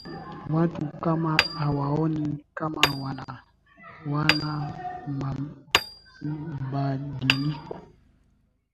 watu kama hawaoni kama wana wana mabadiliko